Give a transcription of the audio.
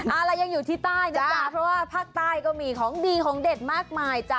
อะไรยังอยู่ที่ใต้นะจ๊ะเพราะว่าภาคใต้ก็มีของดีของเด็ดมากมายจ้ะ